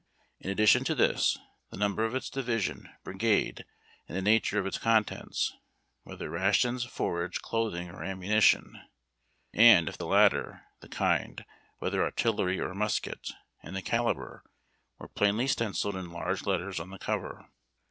In ad dition to this, the number of its division, brigade, and the nature of its contents, whether rations, forage, clothing, or annnunition, — and, if the latter, the kind, whether artillery or musket, and the calibre, — were plainly stencilled in large letters on the cover.